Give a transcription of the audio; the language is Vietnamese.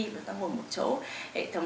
và ta ngồi một chỗ